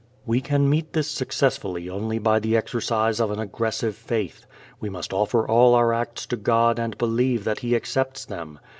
We can meet this successfully only by the exercise of an aggressive faith. We must offer all our acts to God and believe that He accepts them.